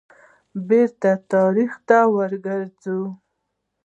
بیرته تاریخ ته را وګرځو.